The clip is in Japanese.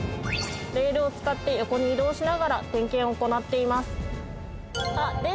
レールを使って横に移動しながら点検を行っています